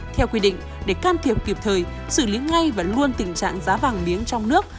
theo quy định để can thiệp kịp thời xử lý ngay và luôn tình trạng giá vàng miếng trong nước